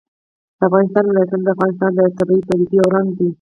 د افغانستان ولايتونه د افغانستان د طبیعي پدیدو یو رنګ دی.